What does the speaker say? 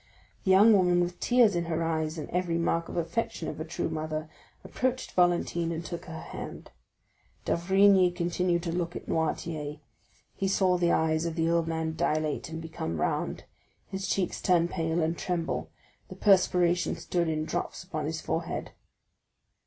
The young woman with tears in her eyes and every mark of affection of a true mother, approached Valentine and took her hand. D'Avrigny continued to look at Noirtier; he saw the eyes of the old man dilate and become round, his cheeks turn pale and tremble; the perspiration stood in drops upon his forehead.